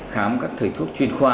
khám các thầy thuốc chuyên khoa